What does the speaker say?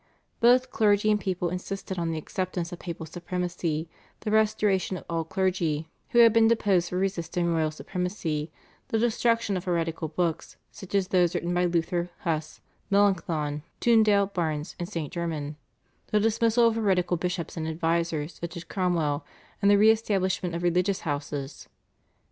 Both clergy and people insisted on the acceptance of papal supremacy, the restoration of all clergy who had been deposed for resisting royal supremacy, the destruction of heretical books, such as those written by Luther, Hus, Melanchthon, Tundale, Barnes, and St. German, the dismissal of heretical bishops and advisers such as Cromwell, and the re establishment of religious houses.